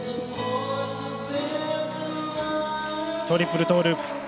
トリプルトーループ。